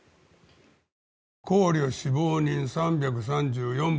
行旅死亡人３３４番。